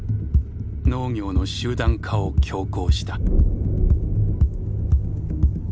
「農業の集団化」を強行した。